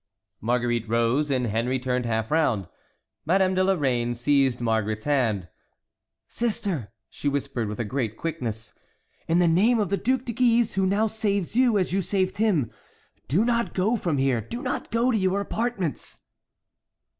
Marguerite rose, and Henry turned half round. Madame de Lorraine seized Marguerite's hand. "Sister," she whispered, with great quickness, "in the name of the Duc de Guise, who now saves you, as you saved him, do not go from here—do not go to your apartments."